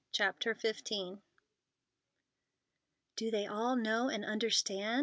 CHAPTER XV "Do they all know and understand?"